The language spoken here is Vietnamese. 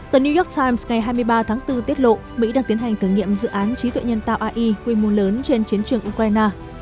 tờ new york times ngày hai mươi ba tháng bốn tiết lộ mỹ đang tiến hành thử nghiệm dự án trí tuệ nhân tạo ai quy mô lớn trên chiến trường ukraine